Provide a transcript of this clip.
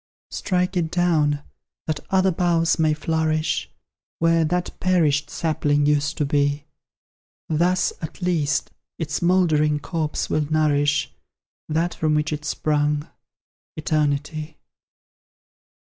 Strike it down, that other boughs may flourish Where that perished sapling used to be; Thus, at least, its mouldering corpse will nourish That from which it sprung Eternity.